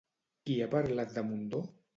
Qui ha parlat de Mundó?